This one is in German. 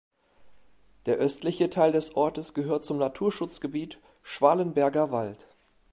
Der östliche Teil des Ortes gehört zum Naturschutzgebiet Schwalenberger Wald.